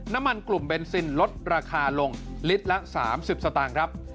น้ำมันกลุ่มเบนซินลดราคาลงลิตรละ๓๐สตางค์ครับ